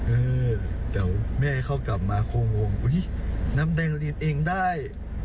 เออเดี๋ยวแม่เขากลับมาคงงอุ๊ยน้ำแดงเรียนเองได้